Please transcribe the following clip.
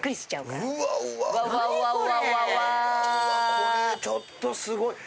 これちょっとすごい。